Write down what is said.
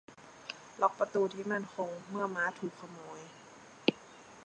ล็อคประตูที่มั่นคงเมื่อม้าถูกขโมย